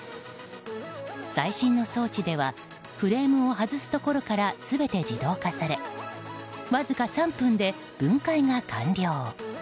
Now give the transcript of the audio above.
最新の装置ではフレームを外すところから全て自動化されわずか３分で分解が完了。